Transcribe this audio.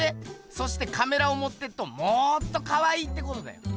そしてカメラをもってっともっとかわいいってことだよ。